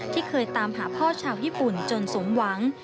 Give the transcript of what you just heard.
ที่เคยตามหาพ่อชาวญี่ปุ่นจนสมหวัง